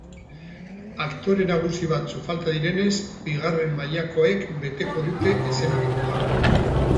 Aktore nagusi batzuk falta direnez, bigarren mailakoek beteko dute eszenatokia.